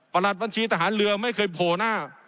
ประหลัดบัญชีทหารเรือไม่เคยโผล่หน้า